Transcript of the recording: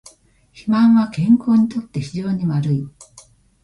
肥満は健康にとって非常に悪い